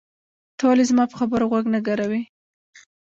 ته ولې زما په خبرو غوږ نه ګروې؟